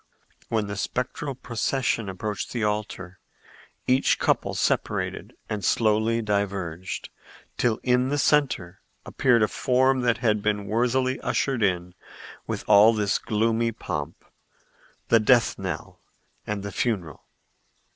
When the spectral procession approached the altar, each couple separated and slowly diverged, till in the centre appeared a form that had been worthily ushered in with all this gloomy pomp, the death knell and the funeral.